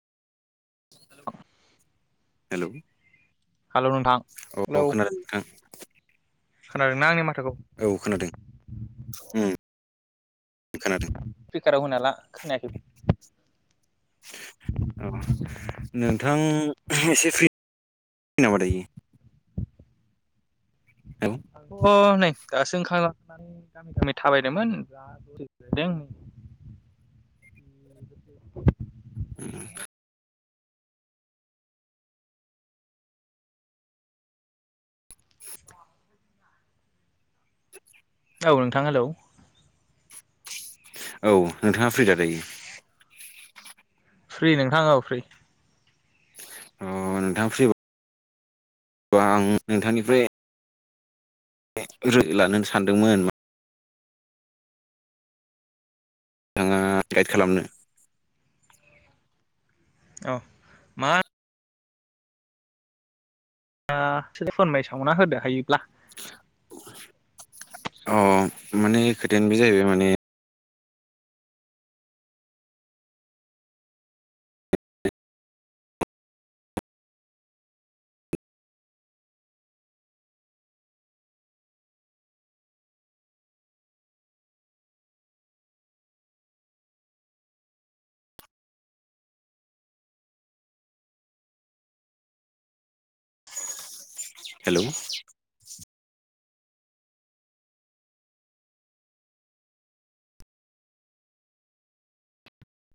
Hello hello नोंथां औ hello. खोनादों नोंथां खोनादों ना आंनि माथो औ खोनादों ओम। खोनादों। [unintelligible] होना ला खोनायाखै औ नोंथां एसे फ्रि नामा दायो? हेलौ अ नै दासो [unintelligible] [unintelligible] गामि गामि थाबायदोंमोन दा [unintelligible] [unintelligible] [unintelligible] [unintelligible] औ नोंथां हेलौ। औ नोंथाङा फ्रि दा दायो? फ्रि नोंथां औ फ्रि। अ नोंथां फ्रिबा आं नोंथांनिफ्राय [unintelligible] सानदोंमोन। [unintelligible] खालामनो औ मा ओ फोरमायसावना होदो हायोब्ला। अ माने खोथायानो बे जाहैबाय माने हेल'